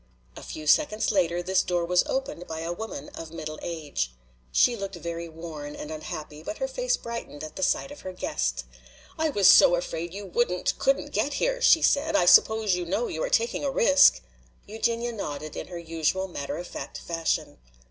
A few seconds after, this door was opened by a woman of middle age. She looked very worn and unhappy, but her face brightened at the sight of her guest. "I was so afraid you wouldn't, couldn't get here," she said. "I suppose you know you are taking a risk." Eugenia nodded in her usual matter of fact fashion.